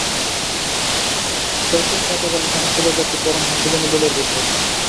পরদিন প্রাতঃকালে সমস্ত ব্যাপারটি পরম হাস্যজনক বলিয়া বোধ হইল।